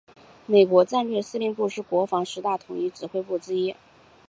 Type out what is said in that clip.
美国战略司令部是国防部十大统一指挥部之一。